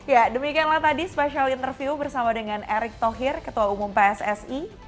ya demikianlah tadi spesial interview bersama dengan erick thohir ketua umum pssi